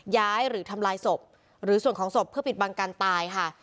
หรือทำลายศพหรือส่วนของศพเพื่อปิดบังการตายค่ะ